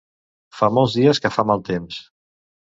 Fa molts dies que fa mal temps.